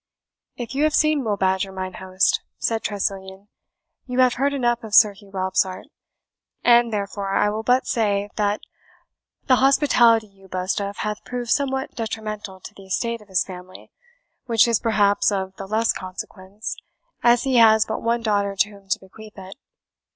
"If you have seen Will Badger, mine host," said Tressilian, "you have heard enough of Sir Hugh Robsart; and therefore I will but say, that the hospitality you boast of hath proved somewhat detrimental to the estate of his family, which is perhaps of the less consequence, as he has but one daughter to whom to bequeath it.